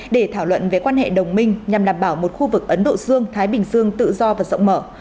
để thảo luận về quan hệ đồng minh nhằm đảm bảo một khu vực ấn độ dương thái bình dương tự do và rộng mở